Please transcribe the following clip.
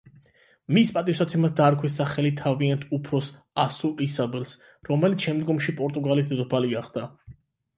მის პატივსაცემად დაარქვეს სახელი თავიანთ უფროს ასულ ისაბელს, რომელიც შემდგომში პორტუგალიის დედოფალი გახდა.